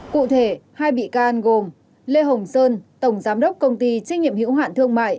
cụ thể hai bị can gồm lê hồng sơn tổng giám đốc công ty trách nhiệm hữu hạn thương mại